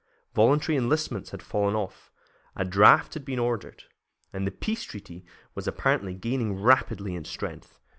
Voluntary enlistments had fallen off, a draft had been ordered, and the peace party was apparently gaining rapidly in strength.